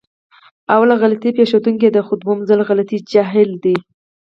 اوله غلطي پېښدونکې ده، خو دوهم ځل غلطي جهل دی.